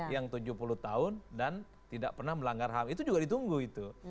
yang tujuh puluh tahun dan tidak pernah melanggar ham itu juga ditunggu itu